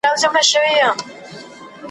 کرۍ ورځ به پر باوړۍ نه ګرځېدلای ,